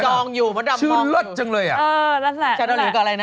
ดับกองอยู่เหมือนดับมองอยู่ชื่อเลิศจังเลยอ่ะเออแล้วแล้วชาดอลิวกับอะไรน่ะ